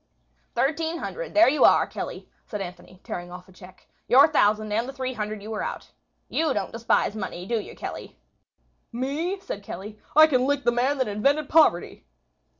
"Thirteen hundred—there you are, Kelly," said Anthony, tearing off a check. "Your thousand, and the $300 you were out. You don't despise money, do you, Kelly?" "Me?" said Kelly. "I can lick the man that invented poverty."